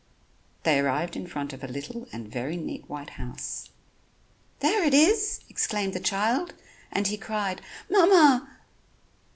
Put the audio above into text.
They arrived in front of a little and very neat white house. "There it is," exclaimed the child, and he cried "Mamma."